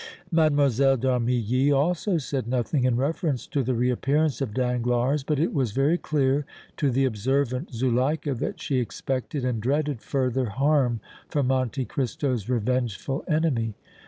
Mlle. d' Armilly also said nothing in reference to the reappearance of Danglars, but it was very clear to the observant Zuleika that she expected and dreaded further harm from Monte Cristo's revengeful enemy.